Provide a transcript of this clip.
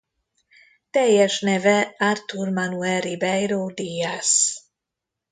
Teljes neve Arthur Manuel Ribeiro Dias.